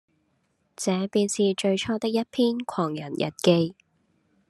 這便是最初的一篇《狂人日記》。